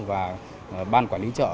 và ban quản lý chợ